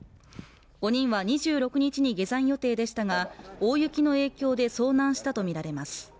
５人は２６日に下山予定でしたが大雪の影響で遭難したとみられます。